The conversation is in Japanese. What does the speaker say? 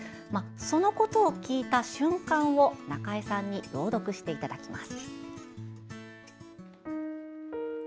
そのことを聞いた瞬間を中江さんに朗読していただきます。